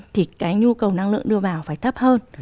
thì cái nhu cầu năng lượng đưa vào phải thấp hơn